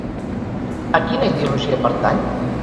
A quina ideologia pertany?